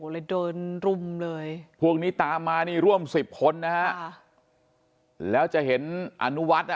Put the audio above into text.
เลยเดินรุ่มเลยพวกนี้ตามมานี่ร่วม๑๐คนนะแล้วจะเห็นอนุวัติ